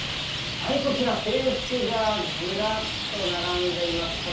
こちら、制服がずらっと並んでいます。